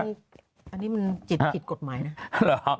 อันนี้มันจิตกฎหมายนะ